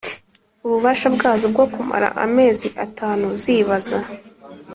Ububasha bwazo bwo kumara amezi atanu zib abaza